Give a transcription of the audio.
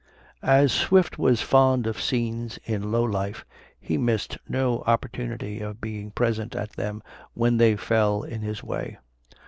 As Swift was fond of scenes in low life, he missed no opportunity of being present at them when they fell in his way.